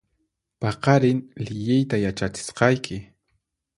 Paqarin liyiyta yachachisqayki